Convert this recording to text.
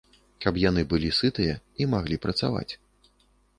Каб яны былі сытыя і маглі працаваць.